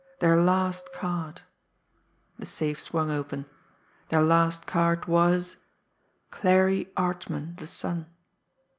Their last card! The safe swung open. Their last card was Clarie Archman, the son!